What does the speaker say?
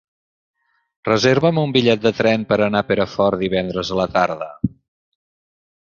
Reserva'm un bitllet de tren per anar a Perafort divendres a la tarda.